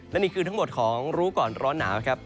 และนี่คือทั้งหมดของรู้ก่อนร้อนหนาวนะครับ